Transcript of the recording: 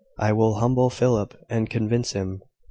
"I will humble Philip, and convince him..."